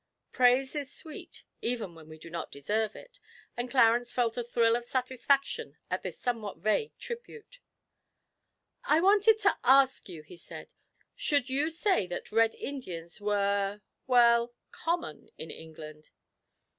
Praise is sweet, even when we do not deserve it, and Clarence felt a thrill of satisfaction at this somewhat vague tribute. 'I wanted to ask you,' he said, 'should you say that Red Indians were well, common in England?'